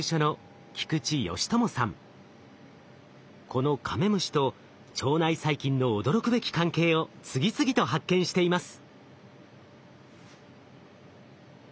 このカメムシと腸内細菌の驚くべき関係を次々と発見しています。